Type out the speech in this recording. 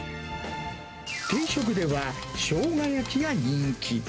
定食では、しょうが焼きが人気。